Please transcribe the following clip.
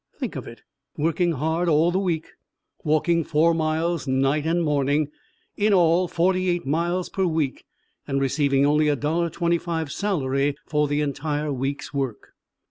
Think of it, working hard all the week, walking four miles night and morning in all forty eight miles per week, and receiving only $1.25 salary for the entire week's work.